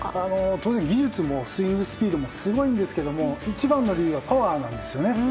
当然技術もスイングスピードもすごいんですけれども一番の理由はパワーなんですね。